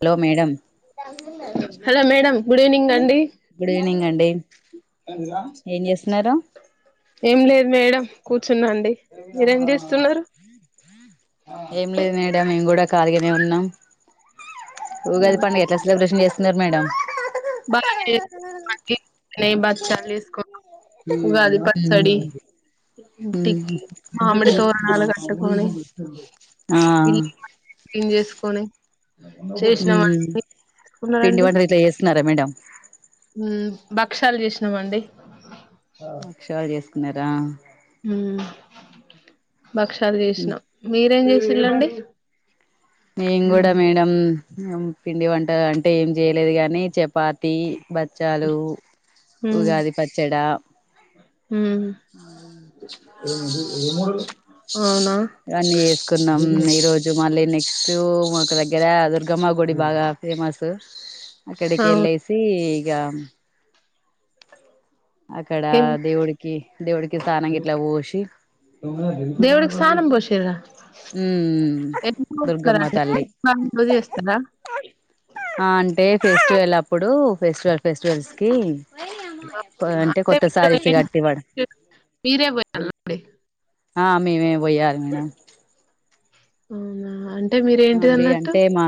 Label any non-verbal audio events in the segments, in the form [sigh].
Hello madam hello madam good evening అండి good evening అండి ఏం చేస్తున్నారు ఏం లేదు మేడం కూర్చున్నాండి మీరేం చేస్తున్నారు ఏం లేదు మేడం మేము కూడా కాలిగానే ఉన్నాం ఊగాది పండగ ఎట్లా సెలబ్రేషన్ చేస్తుకున్నారు మేడం [unintelligible] ఉగాది పచ్చడి ఉట్టి మామిడి తోరనాలు కట్టుకొని ఇల్లు ఆ మంచి క్లీన్ చేసుకొని చేసినాము అండి పిండి కున్నారండి వంటలు ఇట్లా చేస్తున్నారా మేడం భక్షాలు చేసినామండి బక్షాలు చేసుకున్నారా ఉ భక్షాలు చేసినా మీరేం చేసిళండి మేం కూడా మేడం ఉ పిండి వంట అంటే ఏం చేయలేదు గాని చెపా తి బచ్చాలు మ్ ఉగాది పచ్చడ మ్ అవునా ఇవన్నీ చేసుకున్నాం ఈ రోజు మళ్ళీ నెక్స్ట్ తూ మాకు దగ్గర దుర్గమ్మ గుడి బాగా ఫేమస్ అక్కడకి అవును ఎల్లేసి ఇగా అక్కడ ఏం దేవుడికి దేవుడికి తాన గిట్ల పోషి తానం పోషిద ఎందుకు దుర్గమ్మ తల్లి [inaudible] చేస్తారా ఆ అంటే ఫెస్టివల్ అప్పుడు ఫెస్టివల్ ఫెస్టివల్స్ కి అంటే కొత్త మీరు సారీస్ ఏం కట్టివాడు మీరే [unintelligible] ఆ మీమే పోయాలి మేడం అవునా అంటే మీరేంటిది ఓన్లీ అన్నట్టు అంటే మా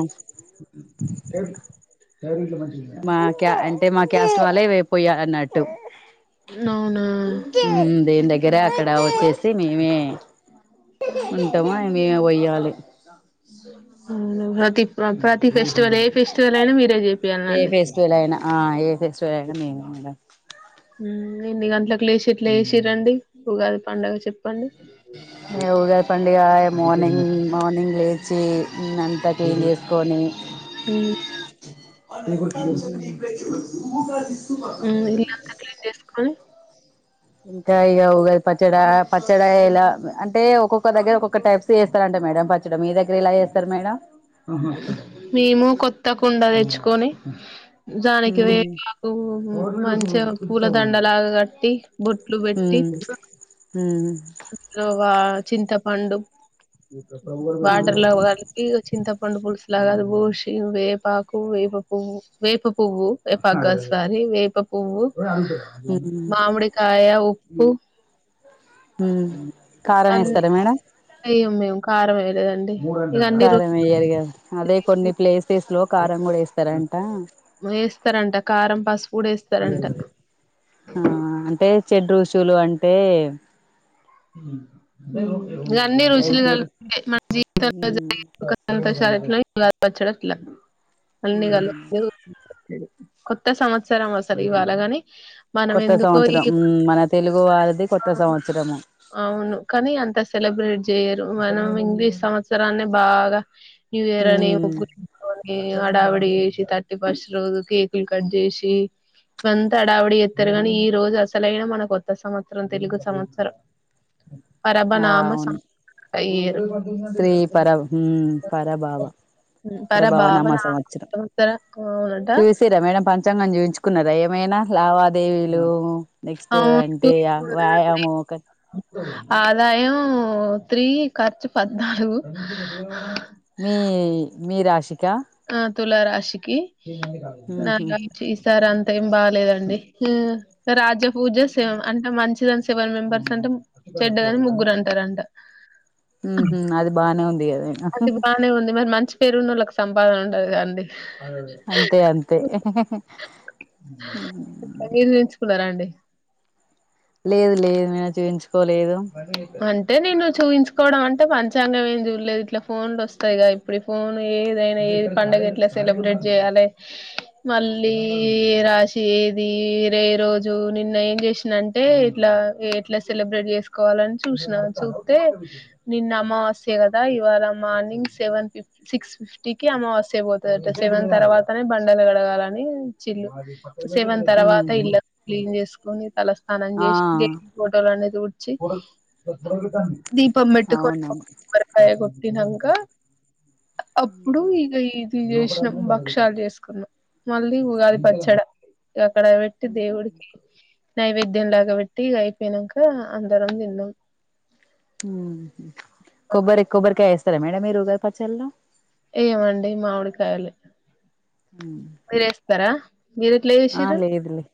మా క్యా అంటే మా క్యాస్ట్ వాళ్లే పోయాలి అన్నట్టు అవునా ఉ దేవుని దగ్గర అక్కడ వచ్చేసి మేమే ఉంటామ మేమే పోయాలి ఉ ప్రతి ప్రతి ఫెస్టివల్ ఏ ఫెస్టివల్ అయినా మీరే చే ఏ ఫెస్టివలైన ఆ ఏ ఫెస్టివలైన మేమే మేడమ్ ఉ ఎన్ని గంటలకి లేసి ఇట్ల చేసిరండి ఉగాది పండుగ చెప్ ఆ ఉగాది పండుగ మార్నింగ్ మార్నింగ్ లేచి [unintelligible] అంత క్లీన్ చేసుకొని హ్మ్, ఉ ఇల్లంతా క్లీన్ చేసుకోని ఇంకా ఇగ ఉగాది పచ్చడ పచ్చడ ఇలా అంటే ఒక్కొక్క దగ్గర ఒక్కొక్క టైప్స్ చేస్త మేడం పచ్చడి మీ దగ్గర ఎల చేస్తారు మేడం మేము కొత్త కుండ తెచ్చుకొని దానికి మ్మ్ వేపాకు మంచిగా పూలదండలాగా కట్టి బొట్లు పెట్టి మ్మ్ అ వా చింతపండు ఆ [unintelligible] కలిపి చింతపండు పులుసు ఇలాగ బూషి వేపాకు వేప పువ్వు వేప పువ్వు వేపాకు కాదు స్వారీ వేప పువ్వు మ్మ్ మామిడి కాయ ఉప్పు మ్మ్ కారం అన్నీ వేస్తారా మేడం అయ్యో మేము కారం వేయలేదండి ఇక అన్ని కారం రుచి వెయ్యారు కద అదే కొన్ని ప్లేసెస్ లో కారం కూడ వేస్తారంట వేస్తారంట కారం పసుపు కూడ వేస్తారంట ఆ అంటే చెడ్ ఋషులు అంటే [inaudible] అయితేరు ఉమ్ ఇట్లా పచ్చడట్ల అన్ని ఉమ్ కలుపుకొని కొత్త సంవత్సరం అసలు ఇవాళగాని కొత్త సంవత్సరం హ్మ్ మన తెలుగు వారిది కొత్త సంవత్సరము అవును కానీ అంత సెలబ్రేట్ చెయ్యరు మనం ఇంగ్లీష్ సంవత్సరాన్ని బాగ న్యూ ఇయర్ అని ఉమ్ ముగ్గులు [inaudible] హడావిడి చేసి థర్టీ ఫస్ట్ రోజు కేకులు కట్ చేసి అంత హడవిడి చేత్తరు కానీ ఈ రోజు అసలైనా మన కొత్త సంవత్సరం తెలుగు సంవత్సరం పరభనామ సం [unintelligible] స్త్రీ పర హ్మ్ పరభావ పరభావ ప్రభావనామ నామ సంవత్సరం సంవత్సర అవునట చూసిర మేడం పంచాంగం చూయించు కున్నర ఏమైన లావ దేవీలు నెక్స్ట్ అంటే అవును వ్యాయామం ఒక ఆదాయం త్రీ ఖర్చు పద్నాలుగు మీ మీ రాశిక ఆ తులారాశికి ఉహు ఈసారీ అ తేం బాలేదండి రాజపూజ సేవ అంత మంచి సెవెన్ మెంబర్స్ అంటే చెడ్డగని ముగ్గురు అంటారంట హు హు అది బానే ఉంది కదా అది బానే ఉంది మరి మంచి పేరున్నోళ్ళకి సంపాదన ఉండదు కదండి అంతే అంతే మీరు ఎంచుకున్నార అండి లేదు లేదు [unintelligible] అంటే నేను చూయించుకోవడం అంటే టే పంచాంగం ఏం చూడలేదు ఇట్లా ఫోన్లో వస్తాయిగా ఇప్పుడు ఫోన్ ఏదైనా ఏది పండగ ఎట్లా సెలబ్రేట్ చెయ్యాలి మళ్ళీ రాసి ఏది రే రోజు నిన్న ఏం చేసిందంటే ఇట్లా ఎట్లా సెలబ్రేట్ చేసుకో కోవాలని చూసినా చూత్తే నిన్న అమావాస్య కదా ఇవాళ మార్నింగ్ సెవెన్ ఫిఫ్టీ సిక్స్ ఫిఫ్టీకిి అమావాస్య పోతాదట సెవెన్ తర్వాతనే బండలు గడగాలని ఈచిళ్ళు సెవెన్ ఉమ్ తర్వాత ఇళ్ళ క్లీన్ చేసుకొని తలస్నానం ఆ చేసి దేవుడి ఫోటోలన్ని తుడిచి దీపం పెట్టుకొని అవును ఒక కొబ్బరికాయ కొట్టినంక అప్పుడు ఇగా ఇది చేసినాం భక్షాలు చేసుకున్నాం మళ్ళీ ఉగాది పచ్చడ అక్కడ పెట్టి దేవుడికి నైవేద్యం లాగా పెట్టి అయిపోయినాక అందరం తిన్నాం కొబ్బరి అట్లా కొబ్బరికాయ వేస్తారా మేడం మీరు ఉగాది పచ్చల్లో ఏయం అండి మామిడికాయలే మీరేస్తారా మీరు ఎట్లా ఆ చేసిర్రు లేదు లేదు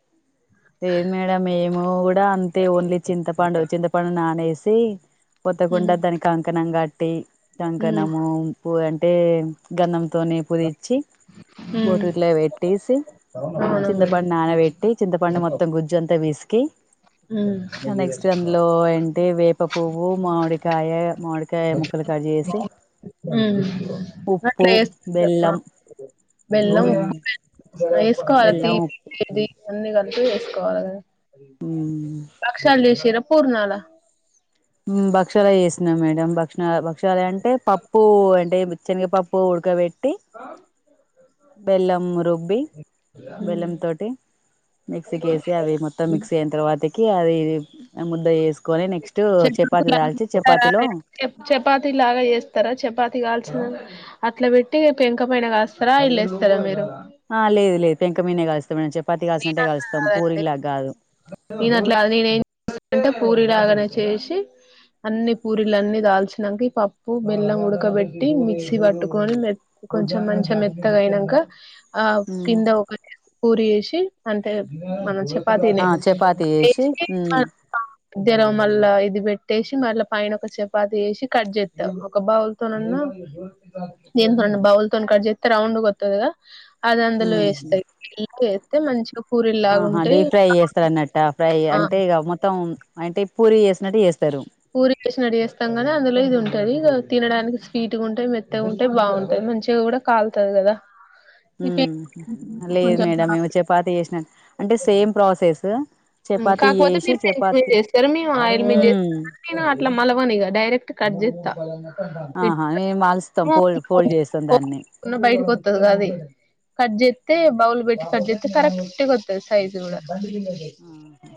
మేడం ఎయ్యము మేం కూడా అంతే ఓన్లీ చింతపండు చింతపండు నానేేసి సి కొత్త ఉహు కుండా దానికి కంకణం కట్టి ఉమ్ కంకణము పూ అంటే గంధంతోనే పుది చ్చి ఉమ్ బొట్టు ఇట్లపెట్టేసి అవునా మేడం చింతపండు నానబెట్టి చింతపండు మొత్తం గుజ్జు అంతా పిసికి ఉమ్ నెక్స్ట్ అందులో ఏంటివేప పువ్వు మామిడికాయ మామిడికా కాయ ముక్కలు కట్ చేేసి ఉమ్ ఉప్పు అట్లా బెల్లం చేసుకుంటారు బెల్లం ఉమ్ వేసుకోవాలి బెల్లం ఉప్పు తీపి అన్ని కలిపి వేసుకోవాలి బక్షల్‌ చెసిరా పూర్ణాల భక్షాల చేసిన మేడం భక్షణ భక్షాలు అంటే పప్పు అంటే శనగపప్పు ఉడకబెట్టి బెల్లం రుబ్బి బెల్లం తోటి మిక్సీకి వేసి అవి మొత్తం మిక్సీ అయిన తర్వాతకి అది ముద్దగా చెస్ చపాతి లా చపాతి లాగా చెస్తారా చపాతి కాల్చిన అట్లా పెట్టి పెంక పైన కాస్తారా ఆయిల్లు ఎస్తారా మీరు ఆ లేదు లేదు పెంక మీనేే కాలిస్తా చెప్పి మీరన్ననెను అట్ల కాదు నేనేం చేస్తానంటె పూరి లాగనే చేసి అన్ని పూరీలు అన్నిదాల్చినంక ఈ పప్పు బెల్లం ఉడకబెట్టి మిక్సీ పట్టుకొని మె కొంచెం మంచిగ మెత్తగా అయినంక ఆ కింద ఒకటి పూరి ఏసి అంతెమనం చెప్ పాతినే ఆ చపాతి చేసి ఉమ్ మద్యలోమళ్ళా ఇది పెట్టేసి మళ్ళ పైన ఒక చపాతి వేసి కట్ చేస్తాం ఒక బౌల్తోనన్న నేనుదాన్నిబౌల్. తోనికట్'జెతె రౌండ్ గొత్తది కదా అది అందులో ఉమ్ వేస్తా వేస్తే మంచిగ ఆహా డీప్ ఫ్రై చేస్తారు అన్నట్ట ఫ్రై ఆ అంటే ఇక మొత్తం అంటే పూరి చేేసినట్టు చేస్తారు పూరి చేసినట్టుచేస్తాం గదఅందులో ఇది ఉంటంది ఇదితినడానికి స్వీట్గా ఉంటయి మెత్తగా ఉంటయి. బావుంటయి మంచిగా కూడా కాల్తది కదా ఈ ఉ లేదు కొంచెం మేడం మెము చపాతి చేసినట్టే అంటే సేమ్ ప్రాసెస్ చపాతి కాకపోతే చేసి మీరు పెంకపైన చపాతి చేస్తారు మేము ఆయిల్‌మీద ఉమ్ చెస్త నేను అట్లా మలవనిగా డైరెక్ట్ కట్‌ చేస్తా ఆహా మేము మాల్స్తాం పోల్ పోల్డ్ చేస్తాం దాన్ని కట్‌ జెతే బౌల్ బెట్టి కట్జెతే కరక్ట్' గొతదిసైజ్ కూడా ఆహా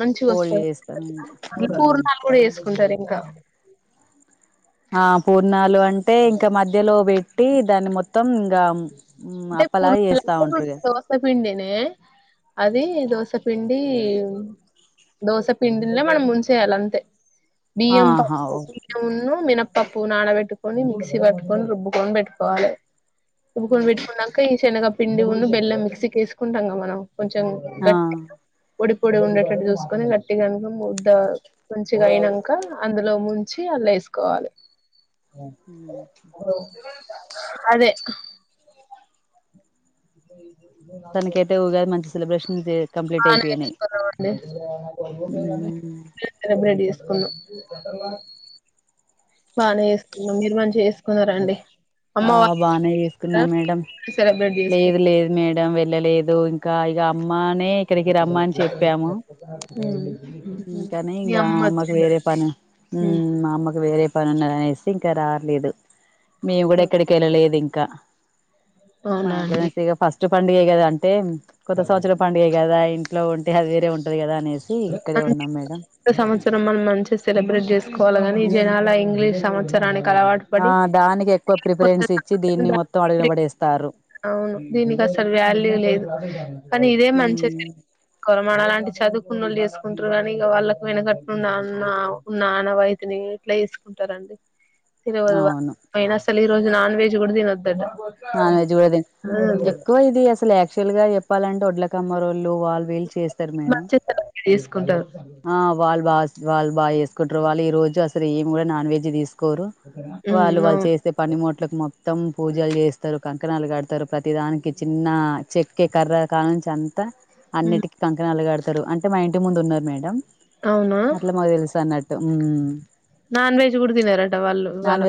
మంచిగా ఫోల్డ్ వస్తది చేస్తాం ఈ ఉమ్ పూర్ణాలు కూడా చెసుకొచ్చు దరింక ఆ పూర్ణాలు అంటే ఇంక మధ్యలో పెట్టి దాన్ని మొత్తం ఇంకా ఉమ్ అంటే అప్పలాగా చేస్తా [unintelligible] ఉంటారుగా దోసపిండినే అదీ దోస పిండి దోస పిండిల్నే మనం ముంచేయ్యాలంతె. బియ్యం ఆహా ఓకే పప్పుబియ్యం ఉన్నూ మినప పప్పు నాడబెట్టుకొని మిక్సీ పట్టుకొని రుబ్బుకొని బెట్టుకోవాలె. రుబ్బుకొని పెట్టుకున్నంక ఈ శనగ పిండి వున్ను బెల్లం మిక్సి కేసుకుంటంగా మనం. కొంచం ఆ గట్టిగ పొడి పొడిగుండేటట్టు జూసుకొని గట్టిగనుకొని ముద్ధా మంచిగ అయినంకా అందులో ముంచి లేసుకోవాలె. [unintelligible] అదే [inaudible] మొత్తానికైతే ఉగాది మంచి సెలబ్రేషన్ చే ఆ రెడీ చేస్కున్నామండి ఉమ్ రుబ్బి రెడీ చేస్ [unintelligible] బానే యేసుకున్నం మీరు మంచిగ యేస్కున్నరా అండి. అమ్మ ఆ వాళ్ళు బానే యేస్కున్నా ఇస్తారా మేడం. మీరే సెలబ్రేట్ చేసుకు లేదు లేదు మేడం వెళ్ళలేదూ ఇంకా ఇగ అమ్మానే ఇక్కడికి రమ్మని చెప్యాము ఉమ్ అందుకనే మీ ఇగ అమ్మ అమ్మకు వచ్చిందా వేరే పని అండి మ్మ్ మా అమ్మకు వేరే పనున్నదనేసి ఇంక రాట్లేదు మేము కూడా ఎక్కడికెళ్ళలేదు ఇంకా. మా అవునా ఇంట్లోనే అండి చేస్త ఇగ ఫస్ట్ పండుగ గదా అంటే కొత్త సంవత్సరం పండుగే గదా ఇంట్లో ఉంటే అది వేరే ఉం [unintelligible] కొత్త సంవత్సరం మరి మంచిగ సెలబ్రేట్ జేస్ [unintelligible] ఈ జనాల ఇంగ్లీష్ సంవత్సరానికి అలవాటు ఆ పడి దానికెక్కువ కొత్త ప్రిఫరెన్స్ ఇచ్చి దీన్ని సంవత్సరం మొత్తం అడుగునబడేస్తార్రు. అవును దీనికి అసలు వాల్యూ లేదు. కానీ ఇదే మంచిది [unintelligible] మనలాంటి చదువు ఉన్నోళ్లు జేసుకుంటరు గనీ ఇగ వాళ్ళకు ఎనకట్న్న అన్న ఉన్న ఆనవాయితినీ ఇట్ల యేసుకుంటారన్ తెలవదిగ అవును అయిన అస్సల్ ఈ రోజు నాన్ వెజ్ గూడ తినొద్ధట. [unintelligible] ఎక్కువ ఇది అసలు యాక్చువల్ గా యేప్పాలంటే ఒడ్లకమ్మరో వాళ్ళు వీళ్ళు చేస్తరు మేడం మంచిగా సెలబ్రేట్ చేసుకుంటారు ఆ వాళ్లు బాస్ వాళ్ళు బా యేసుకుంట్రు వాళ్లు ఈ రోజు అసలు ఏం కూడ నాన్ వెజ్ తీసు కోరు ఉమ్ వాళ్ళు అవును వాళ్ళు చేసే పని ముట్లకు మొత్తం పూజల్ చేస్ తరు కంకణాలు కడతారు ప్రతి దానికి చిన్నా చెక్కె కర్ర కాంచి అంతా ఉమ్ అన్నిటికి కంకణాలు కడతారు అంటే మా ఇంటి ముందు ఉన్నరు మేడం అవునా అట్ల మాకు తెలుసు అన్న [unintelligible] నాన్ వెజ్ గూడ తినరట వాళ్ళు ఇవ్వాళ.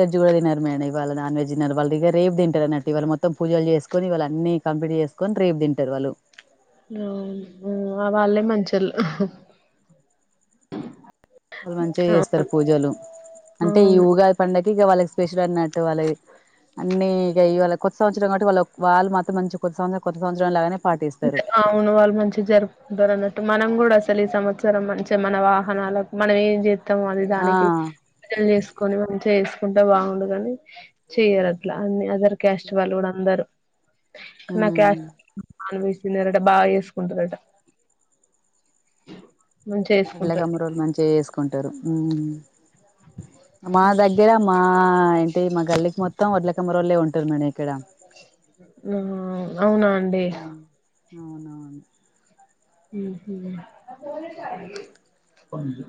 వాళ్లు నాన్ వెజ్ తినరు వాళ్లిగ రేప్ తింటరన్న ఇవాళ మొత్తం పూజలు చేసుకొని ఇవాళ అన్నీ కంప్లీట్ చేసుకొని రేపు తింటరు వాళ్ళు. ఆ ఆ వాళ్ళే మంచోళ్లు. వాళ్ళు మంచిగ యేస్తరు పూజలు అంటే ఈ అవును ఉగాది పండగ ఇగ వాళ్ళకి స్పెషల్ అన్నట్టు వాళ్ళది. అన్నీ ఇగ ఇవాళ కొత్త సంవత్సరం కాబట్టి వాళ్లు వాళ్ళు మాత్రం మంచి కొత్త సంవత్సర కొత్త సంవత్సరం లాగానే పాటిస్తారు అవును వాళ్ళు మంచిగ జరుపుకుంటారన్నట్టు మనం గూడ అసలు ఈ సంవత్సరం మంచిగ మన వాహనాలకు మనం ఏం జే [unintelligible] ఆ దానికి [unintelligible] చేస్కొని మంచిగ యేసుకు కుంటె బావుండుగని చెయ్యరట్లా అన్ని అదర్ క్యాస్ట్ వాళ్ళు గూడా అందరు. నా ఉమ్ క్యాస్ట్ నాన్ వెజ్ తినరట బా యేస్కుంటరట. వడ్లకామ్మ రోల్లు మంచిగా చేసుకుంటారు మా దగ్గర మా ఇంటి మా గల్లికి మొత్తం వడ్లకమ్మరొళ్లే ఉం ఉన అవునా అండి ఉమ్ అవునవును ఉహు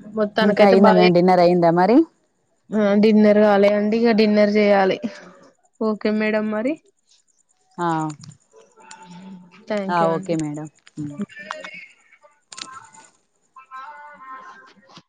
ఇంకా అయ్యిందా మ్యామ్ డిన్నర్ అయ్యందా మరి ఆ డిన్నర్ కాలే అండి ఇక డిన్నర్ చేయాలే ఓకే మేడం మరి ఆ ఆ థ్యాంక్ యూ అండి ఓకే మేడం ఉమ్ రావల్ల